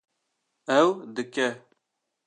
Ew dike